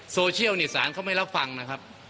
โซเชียลเนี่ยสารเขาไม่รับฟังนะครับ